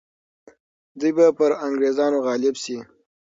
دوی به پر انګریزانو غالب سي.